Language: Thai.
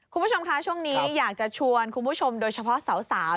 คุณผู้ชมคะช่วงนี้อยากจะชวนคุณผู้ชมโดยเฉพาะสาว